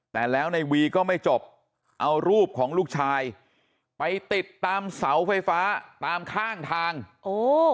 แต่แล้วในวีก็ไม่จบเอารูปของลูกชายไปติดตามเสาไฟฟ้าตามข้างทางโอ้